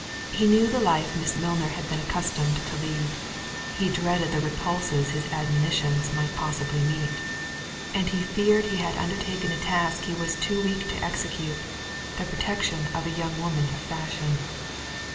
He knew the life Miss Milner had been accustomed to lead; he dreaded the repulses his admonitions might possibly meet; and feared he had undertaken a task he was too weak to execute—the protection of a young woman of fashion.